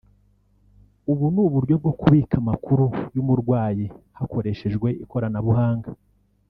Ubu ni uburyo bwo kubika amakuru y’umurwayi hakoreshjwe ikoranabuhanga